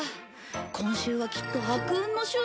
今週はきっと悪運の週だ。